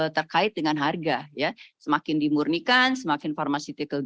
tapi dia harus kondisinya lebih productional